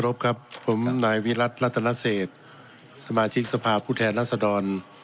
บครับผมนายวิรัติรัตนเศษสมาชิกสภาพผู้แทนรัศดร